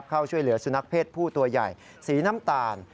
เข้าช่วยเหลือสุนัขเพศผู้ตัวใหญ่สีน้ำตาล